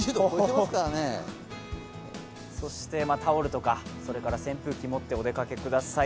タオルとか扇風機を持ってお出かけください。